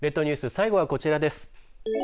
最後はこちらです。